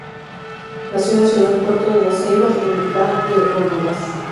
Nació en la ciudad Puerto de La Ceiba, República de Honduras.